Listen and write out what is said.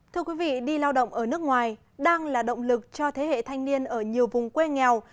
thưa quý vị đi lao động ở nước ngoài đang là động lực cho thế hệ thanh niên ở nhiều vùng quê nghèo